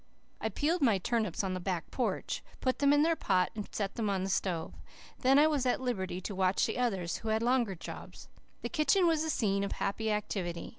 I peeled my turnips on the back porch, put them in their pot, and set them on the stove. Then I was at liberty to watch the others, who had longer jobs. The kitchen was a scene of happy activity.